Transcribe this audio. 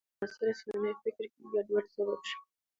دا په معاصر اسلامي فکر کې ګډوډۍ سبب شو.